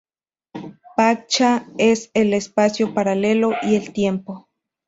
Paccha es el espacio paralelo y el tiempo.